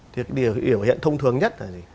thì điều hiệu hiện thông thường nhất là gì